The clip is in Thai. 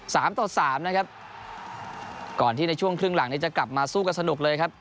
สามต่อสามนะครับก่อนที่ในช่วงครึ่งหลังนี้จะกลับมาสู้กันสนุกเลยครับ